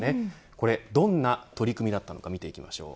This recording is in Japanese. これ、どんな取り組みだったのか見ていきましょう。